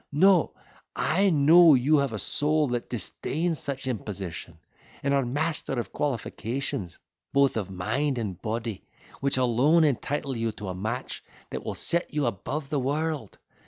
No, I know you have a soul that disdains such imposition; and are master of qualifications, both of mind and body, which alone entitle you to a match that will set you above the world.